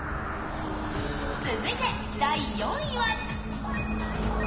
続いて、第４位は。